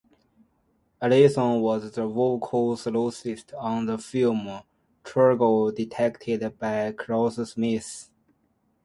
Allison was the vocal soloist on the film "Triangle", directed by Chris Smith.